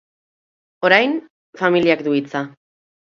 Orain, familiak du hitza.